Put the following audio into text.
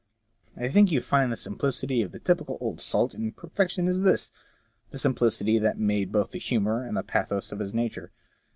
'* I think you find the simplicity of the typical old salt in perfection in this — the simplicity that made both the humour and the pathos of his nature.